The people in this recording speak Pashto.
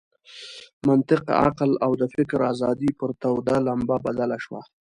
منطق، عقل او د فکر آزادي پر توده لمبه بدله شوه.